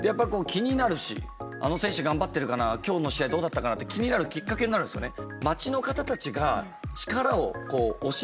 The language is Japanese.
あの選手頑張ってるかな今日の試合どうだったかなって気になるきっかけになるんですよね。